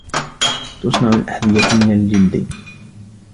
تُصْنَعُ الْأَحْذِيَةَ مِنَ الْجَلْدِ.